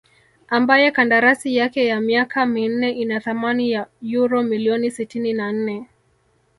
ambaye kandarasi yake ya miaka minne ina thamani ya uro milioni sitini na nne